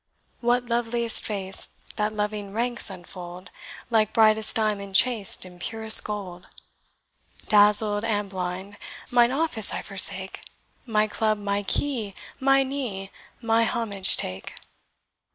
What loveliest face, that loving ranks unfold, Like brightest diamond chased in purest gold? Dazzled and blind, mine office I forsake, My club, my key, my knee, my homage take.